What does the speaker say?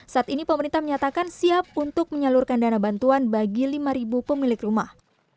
saat ini pemerintah menyatakan siap untuk menyalurkan dana bantuan bagi lima pemilik rumah